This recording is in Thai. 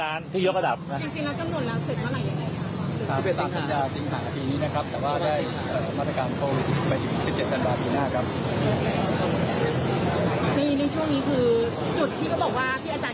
มันเป็นจุดคลิกที่มันทรงใหญ่ที่สุดมีความสังเกตแข็งใหญ่